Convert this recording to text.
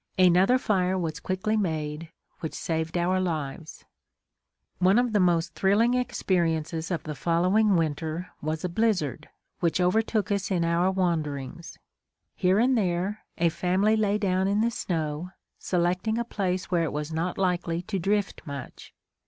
Another fire was quickly made, which saved our lives. One of the most thrilling experiences of the following winter was a blizzard, which overtook us in our wanderings. Here and there, a family lay down in the snow, selecting a place where it was not likely to drift much.